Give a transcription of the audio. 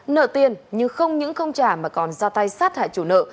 nợ tiền nhưng không những không trả mà còn ra tay sát hại chủ nợ